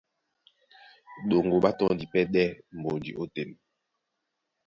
Ɗoŋgo ɓá tɔ́ndi pɛ́ ɗɛ́ mbonji ótên.